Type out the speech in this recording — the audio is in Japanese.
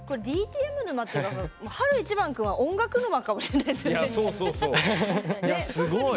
ＤＴＭ沼っていうより晴いちばん君は音楽沼かもしれないですね。